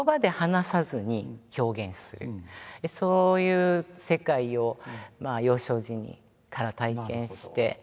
そういう世界を幼少時から体験して。